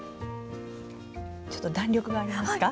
ちょっと弾力がありますか？